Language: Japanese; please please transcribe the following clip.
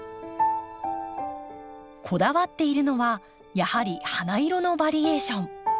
こだわっているのはやはり花色のバリエーション。